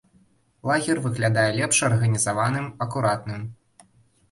Лагер выглядае лепш арганізаваным, акуратным.